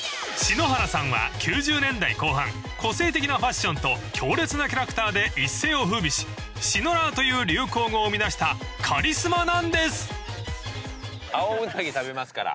［篠原さんは９０年代後半個性的なファッションと強烈なキャラクターで一世を風靡しシノラーという流行語を生み出したカリスマなんです］